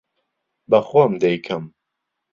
بە خۆم دەیکەم.